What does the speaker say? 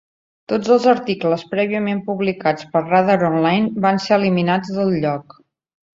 Tots els articles prèviament publicats per Radar Online van ser eliminats del lloc.